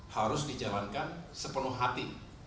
harus dijalankan sepenuh hati